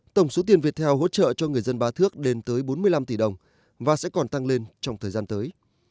tổng số tiền việt theo hỗ trợ cho người dân bá thước đến tới bốn mươi năm tỷ đồng và sẽ còn tăng lên trong thời gian tới